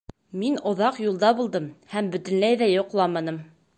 Мин оҙаҡ юлда булдым һәм бөтөнләй ҙә йоҡламаным...